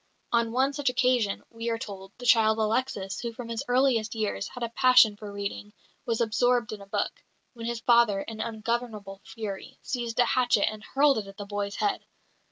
On one such occasion, we are told, the child Alexis, who from his earliest years had a passion for reading, was absorbed in a book, when his father, in ungovernable fury, seized a hatchet and hurled it at the boy's head.